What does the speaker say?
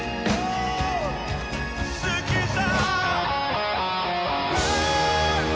「好きさ」